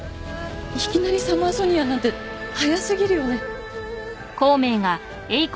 いきなりサマーソニアなんて早すぎるよね？